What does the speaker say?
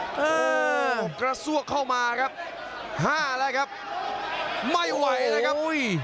เออกระซวกเข้ามาครับห้าแล้วครับไม่ไหวนะครับอุ้ย